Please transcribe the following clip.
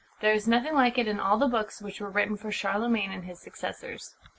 There is nothing like it in all the books which were written for Charlemagne and his successors."